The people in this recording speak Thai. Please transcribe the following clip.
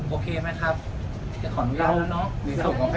โอเคมั้ยครับอยากขออนุญาตแล้วเนอะ